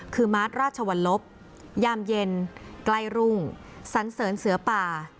คือมาร์ทราชวรรลบยามเย็นใกล้รุ่งสันเสริญเสือป่า